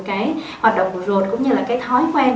cái hoạt động của ruột cũng như là cái thói quen